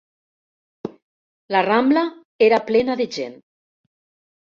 La Rambla era plena de gent